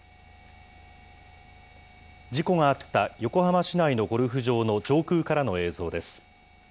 事故があった横浜市内のゴルフ場の上空からの映像です。